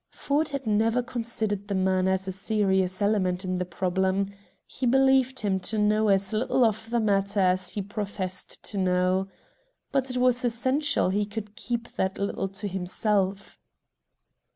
Ford had never considered the man as a serious element in the problem. He believed him to know as little of the matter as he professed to know. But it was essential he should keep that little to himself.